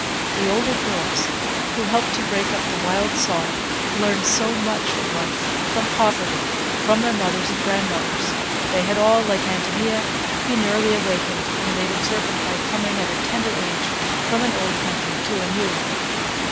The older girls, who helped to break up the wild sod, learned so much from life, from poverty, from their mothers and grandmothers; they had all, like Ántonia, been early awakened and made observant by coming at a tender age from an old country to a new.